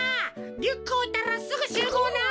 リュックおいたらすぐしゅうごうな！